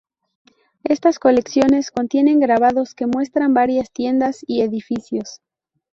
Estas colecciones contienen grabados que muestran varias tiendas y edificios.